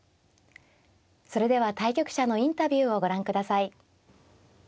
それでは対局者のインタビューをご覧ください。